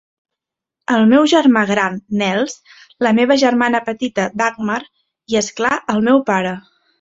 El meu germà gran, Nels, la meva germana petita, Dagmar i, és clar, el meu pare.